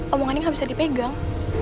omongannya gak bisa dipegang